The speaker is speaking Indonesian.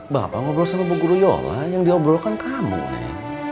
bapak ngobrol sama bu guru yola yang diobrolkan kamu nih